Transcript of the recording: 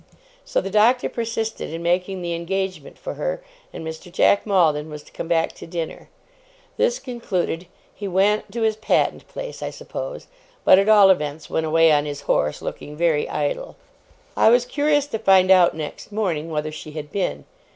So the Doctor persisted in making the engagement for her, and Mr. Jack Maldon was to come back to dinner. This concluded, he went to his Patent place, I suppose; but at all events went away on his horse, looking very idle. I was curious to find out next morning, whether she had been.